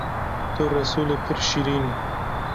Tu Resûlê pir şîrîn î